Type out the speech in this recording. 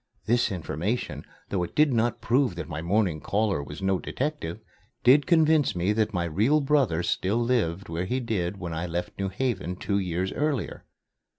This information, though it did not prove that my morning caller was no detective, did convince me that my real brother still lived where he did when I left New Haven, two years earlier.